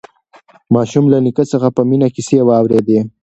ماشوم له نیکه څخه په مینه کیسې واورېدې